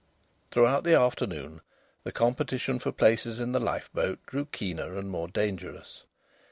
Throughout the afternoon the competition for places in the lifeboat grew keener and more dangerous.